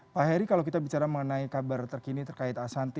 pak heri kalau kita bicara mengenai kabar terkini terkait asanti